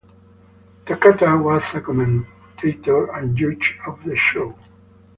Takata was a commentator and judge on the show.